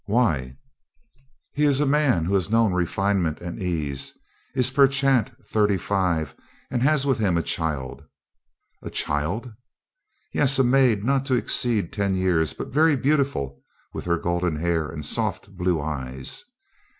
"Why?" "He is a man who has known refinement and ease, is perchance thirty five and has with him a child." "A child?" "Yes, a maid not to exceed ten years, but very beautiful with her golden hair and soft blue eyes."